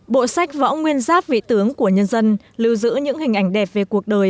bộ sách võ nguyên giáp vị tướng của nhân dân lưu giữ những hình ảnh đẹp về cuộc đời